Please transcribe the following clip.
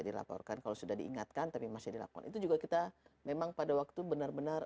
dilaporkan kalau sudah diingatkan tapi masih dilakukan itu juga kita memang pada waktu benar benar